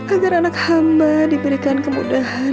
agar anak hamba diberikan kemudahan